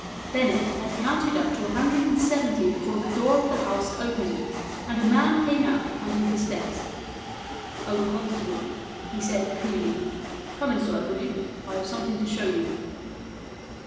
Bennett had counted up to a hundred and seventy before the door of the house opened, and a man came out on to the steps. " Oh, constable," he said coolly, " come inside, will you ? I have something to show you."